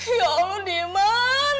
ya allah diman